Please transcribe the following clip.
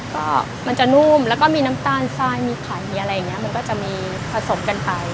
ก็มันจะนุ่มแล้วก็มีน้ำตาลทรายมีไข่อะไรอย่างนี้มันก็จะมีผสมกันไป